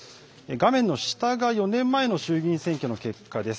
画面の下が４年前の衆議院選挙の結果です。